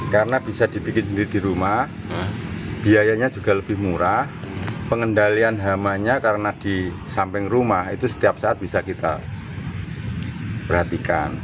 karena bisa dibikin sendiri di rumah biayanya juga lebih murah pengendalian hamanya karena di samping rumah itu setiap saat bisa kita perhatikan